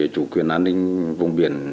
chủ quyền an ninh vùng biển